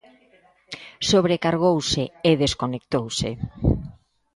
Sobrecargouse e desconectouse.